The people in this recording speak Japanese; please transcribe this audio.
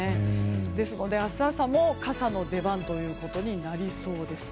ですので、明日朝も傘の出番となりそうです。